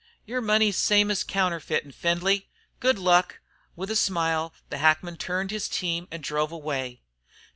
"Your money's same as counterfeit in Findlay. Good luck!" With a smile, the hackman turned his team and drove away.